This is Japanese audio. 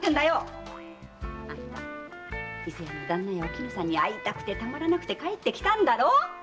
あんた伊勢屋の旦那やお絹さんに会いたくて帰ってきたんだろう